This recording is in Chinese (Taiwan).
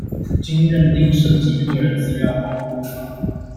經認定涉及個人資料保護法